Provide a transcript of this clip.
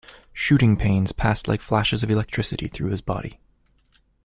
Shooting pains passed like flashes of electricity through his body.